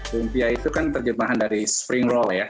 lumpia itu kan terjemahan dari spring roll ya